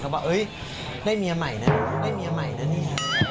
ว่าได้เมียใหม่นะได้เมียใหม่นะนี่